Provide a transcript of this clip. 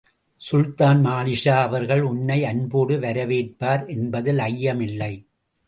சுல்தான் Malikshah அவர்கள் உன்னை அன்போடு வரவேற்பார் என்பதில் ஐயமில்லை.